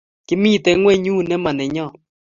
Kimite ng'wenyut ne mo nenyon.